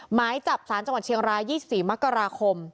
หมายจับสารจังหวัดเชียงราย๒๔มกราคม